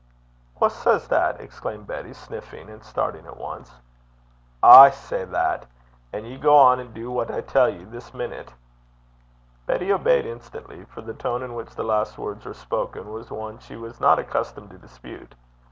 'Wha says that?' exclaimed Betty, sniffing and starting at once. 'I say that. An' ye gang an' du what I tell ye, this minute.' Betty obeyed instantly; for the tone in which the last words were spoken was one she was not accustomed to dispute.